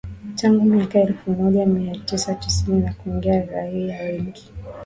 Tangu miaka ya elfu moja mia tisa tisini na kuua raia wengi.